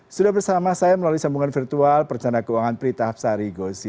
sudah bersama saya melalui sambungan virtual perencana keuangan prita hapsari gosi